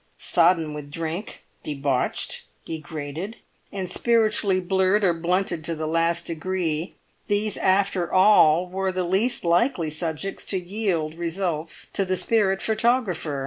Sodden with drink, debauched, degraded, and spiritually blurred or blunted to the last degree, these after all were the least likely subjects to yield results to the spirit photographer.